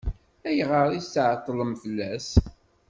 Ayɣer i tɛeṭṭlem fell-as?